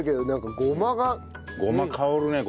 ごま香るねこれ。